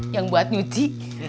yang buat nyuci